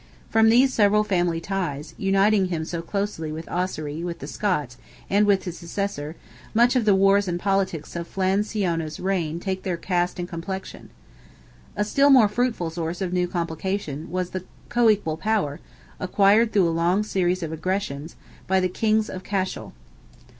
From these several family ties, uniting him so closely with Ossory, with the Scots, and with his successor, much of the wars and politics of Flan Siona's reign take their cast and complexion. A still more fruitful source of new complications was the co equal power, acquired through a long series of aggressions, by the kings of Cashel.